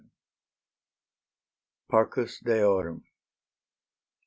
PARCUS DEORUM.